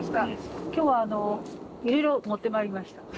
今日はあのいろいろ持ってまいりました。